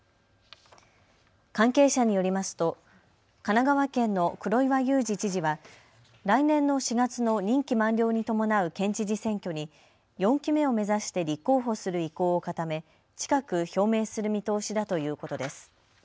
関係者によりますと神奈川県の黒岩祐治知事は来年の４月の任期満了に伴う県知事選挙に４期目を目指して立候補する意向を固め、近く表明する見通しだということです。